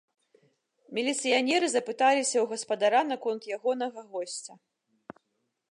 Міліцыянеры запыталіся ў гаспадара наконт ягонага госця.